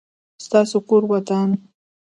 ستاسو کور ودان؟